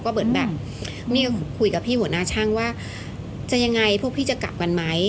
ก็เหมือนแบบมี่ก็คุยกับพี่หัวหน้าช่างว่าจะยังไงพวกพี่จะกลับกันไหม